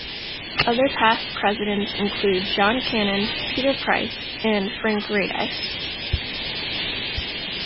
Other past presidents include John Cannon, Peter Price and Frank Radice.